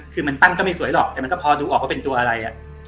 คือมันปั้นก็ไม่สวยหรอกแต่มันก็พอดูออกว่าเป็นตัวอะไร